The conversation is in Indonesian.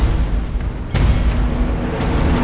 aku gak bisa pergi